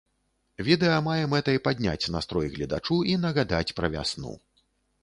Відэа мае мэтай падняць настрой гледачу і нагадаць пра вясну.